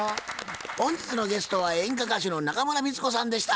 本日のゲストは演歌歌手の中村美律子さんでした。